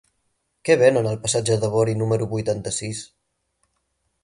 Què venen al passatge de Bori número vuitanta-sis?